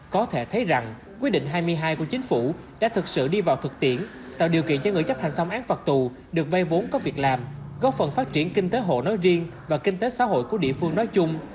có thể thấy rằng quyết định hai mươi hai của chính phủ đã thực sự đi vào thực tiễn tạo điều kiện cho người chấp hành xong án phạt tù được vay vốn có việc làm góp phần phát triển kinh tế hộ nói riêng và kinh tế xã hội của địa phương nói chung